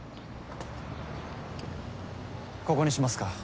ここにしますか。